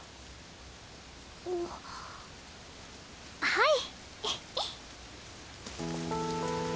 はい。